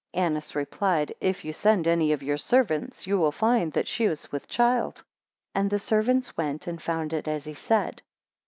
6 Annas replied, If you send any of your servants you will find that she is with child. 7 And the servants went, and found it as he said.